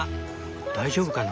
大丈夫かな？